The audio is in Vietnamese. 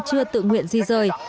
chưa tự nguyện di rời